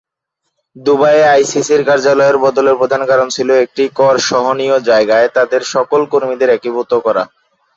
দুবাইয়ে আইসিসির কার্যালয়ের বদলের প্রধান কারণ ছিল একটি কর সহনীয় জায়গায় তাদের সকল কর্মীদের একীভূত করা।